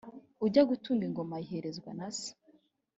ujya gutunga ingoma ayiherezwa na se!